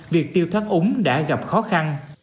việc tiêu thoát úng đã gặp khó khăn